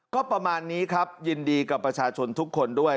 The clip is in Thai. ก็ประมาณนี้ครับยินดีกับประชาชนทุกคนด้วย